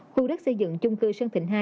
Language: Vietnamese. khu đất xây dựng chung cư sơn thịnh hai